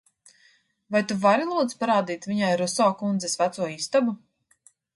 Vai tu vari lūdzu parādīt viņai Ruso kundzes veco istabu?